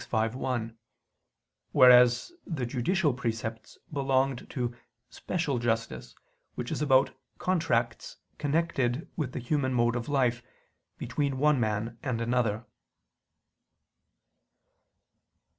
_ v, 1: whereas the judicial precepts belonged to "special justice," which is about contracts connected with the human mode of life, between one man and another.